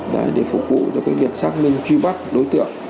để phục vụ cho cái việc xác minh truy bắt đối tượng